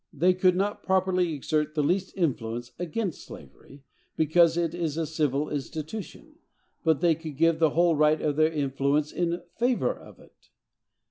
They could not properly exert the least influence against slavery, because it is a civil institution, but they could give the whole weight of their influence in favor of it.